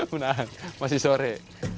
menahan masih sore